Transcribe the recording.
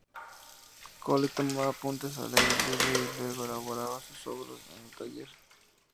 Cole tomaba apuntes al aire libre y luego elaboraba sus obras en el taller.